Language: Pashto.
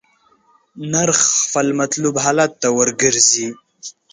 نرخ خپل مطلوب حالت ته ورګرځي.